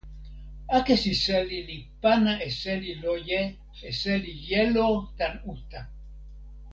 akesi seli li pana e seli loje e seli jelo tan uta.